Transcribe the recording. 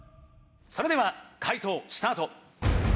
それでは解答スタート。